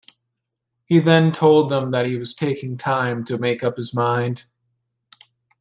He then told them that he was taking time to make up his mind.